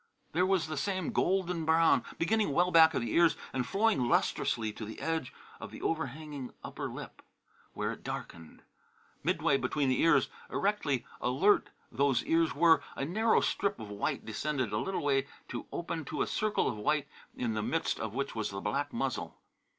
There was the same golden brown, beginning well back of the ears and flowing lustrously to the edge of the overhanging upper lip, where it darkened. Midway between the ears erectly alert those ears were a narrow strip of white descended a little way to open to a circle of white in the midst of which was the black muzzle.